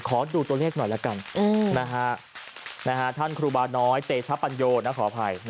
ขอดูตัวเลขหน่อยละกันท่านครูบาน้อยเตชะปัญโยขออภัย